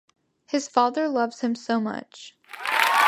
His father loves him so much.